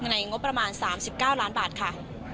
ในงบประมาณ๓๙ล้านบาทค่ะ